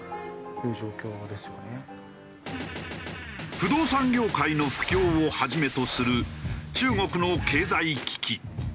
不動産業界の不況をはじめとする中国の経済危機。